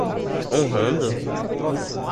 Honrando?